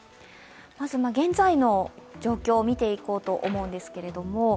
まず現在の状況をみていこうと思うんですけれども、